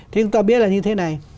thế chúng ta biết là như thế này